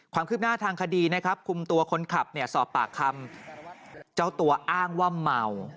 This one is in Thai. คุมตัวคนขับสอบปากคำเจ้าตัวอ้างว่าเมา